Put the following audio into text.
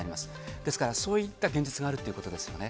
ですから、そういった現実があるということですよね。